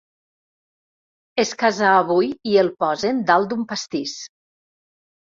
Es casa avui i el posen dalt d'un pastís.